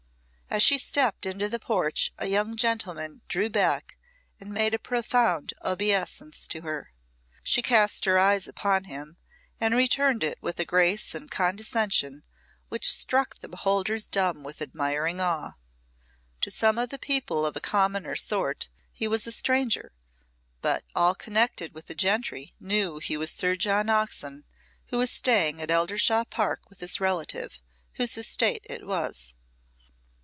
As she stepped into the porch a young gentleman drew back and made a profound obeisance to her. She cast her eyes upon him and returned it with a grace and condescension which struck the beholders dumb with admiring awe. To some of the people of a commoner sort he was a stranger, but all connected with the gentry knew he was Sir John Oxon, who was staying at Eldershawe Park with his relative, whose estate it was.